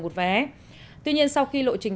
một vé tuy nhiên sau khi lộ trình